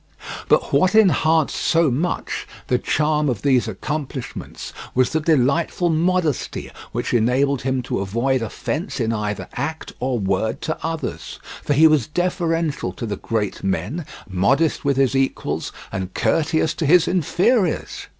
But what enhanced so much the charm of these accomplishments, was the delightful modesty which enabled him to avoid offence in either act or word to others, for he was deferential to the great men, modest with his equals, and courteous to his inferiors.